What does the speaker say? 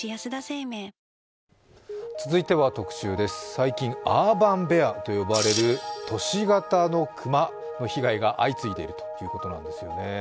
最近アーバン・ベアと呼ばれる都市型の熊の被害が相次いでいるということなんですよね。